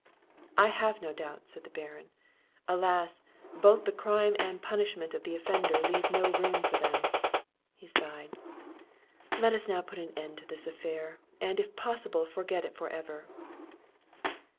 "I have no doubts," said the Baron; "Alas! both the crime and punishment of the offender leave no room for them!" He sighed. "Let us now put an end to this affair; and, if possible, forget it for ever."